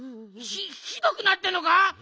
ひひどくなってるのか！？